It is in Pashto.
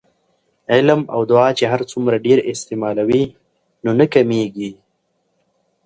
علم او دعاء چې هرڅومره ډیر استعمالوې نو نه کمېږي